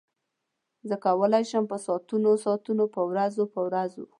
زه کولای شم په ساعتونو ساعتونو په ورځو ورځو.